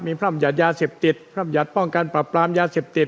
มีพร่ำยัดยาเสพติดพร่ำหยัดป้องกันปรับปรามยาเสพติด